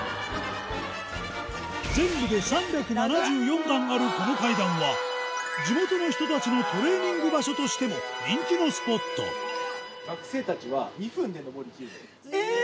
全部で３７４段あるこの階段は地元の人たちのトレーニング場所としても人気のスポットえぇ！